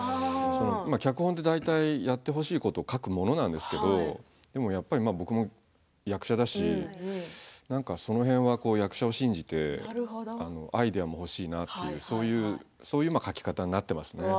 脚本って大体やってほしいことを書くものなんですけどでも、やっぱり僕も役者だしなんか、その辺は役者を信じてアイデアも欲しいなっていうそういう書き方になってますね。